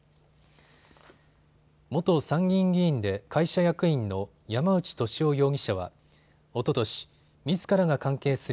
元参議院議員で会社役員の山内俊夫容疑者はおととし、みずからが関係する